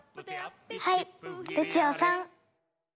はいルチオさん。